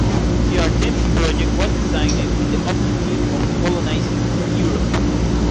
The Artemis project was designed with the objective of colonizing Europe.